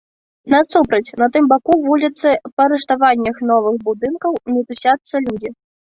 Насупраць, на тым баку вуліцы, па рыштаваннях новых будынкаў мітусяцца людзі.